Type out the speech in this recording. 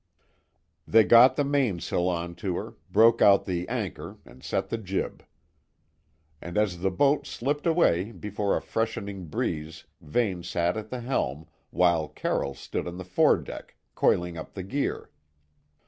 They got the mainsail on to her, broke out the anchor and set the jib; and as the boat slipped away before a freshening breeze Vane sat at the helm, while Carroll stood on the foredeck, coiling up the gear.